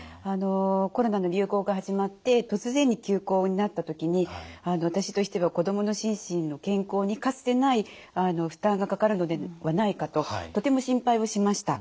コロナの流行が始まって突然に休校になった時に私としては子どもの心身の健康にかつてない負担がかかるのではないかととても心配をしました。